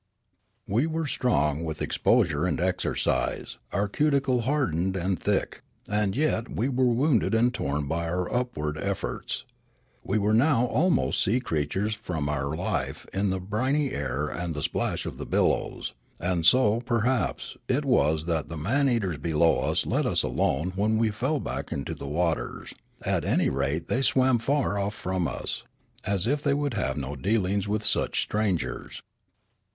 We were strong with exposure and exercise, our cuticle hardened and thick ; and yet we were wounded and torn by our upward efforts. We were now almost sea creatures from our life in the briny air and the splash of the billows ; and so, perhaps, it was that the man eaters below let us alone when we fell back into the waters; at any rate they swam far off from us, as if they would have no dealings with such strangers.